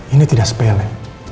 ini tidak sepele